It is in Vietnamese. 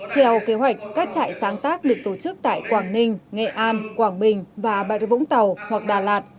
theo kế hoạch các trại sáng tác được tổ chức tại quảng ninh nghệ an quảng bình và bà rịa vũng tàu hoặc đà lạt